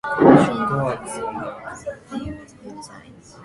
this scrapes their website